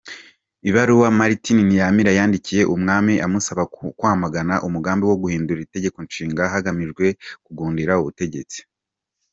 Ibaruwa Martin Ntiyamira yandikiye Umwami amusaba kwamagana umugambi wo guhindura Itegekonshinga hagamijwe kugundira ubutegetsi